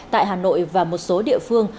tại hà nội và một số địa phương